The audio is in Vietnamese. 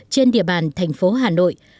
trên địa bàn thành phố hà nội